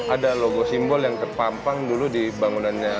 ada logo simbol yang terpampang dulu di bangunannya